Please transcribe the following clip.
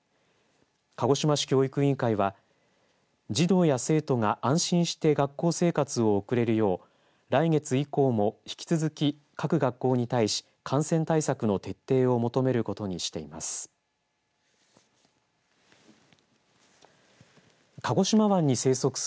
鹿児島市教育委員会は児童や生徒が安心して学校生活を送れるよう来月以降も引き続き各学校に対し感染対策の徹底を求めることにしています。